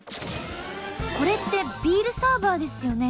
これってビールサーバーですよね。